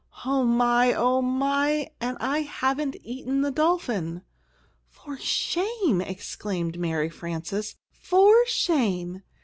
"Oh, my! Oh, my! and I haven't eaten the dolphin!" "For shame!" exclaimed Mary Frances. "For shame!